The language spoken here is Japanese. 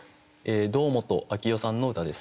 堂本明代さんの歌です。